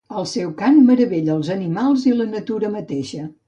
El seu cant meravella els animals i la natura mateixa.